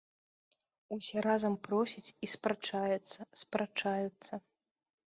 Усе разам просяць і спрачаюцца, спрачаюцца.